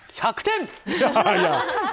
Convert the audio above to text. １００点！